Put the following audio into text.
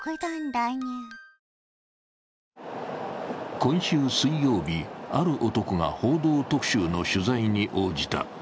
今週水曜日、ある男が「報道特集」の取材に応じた。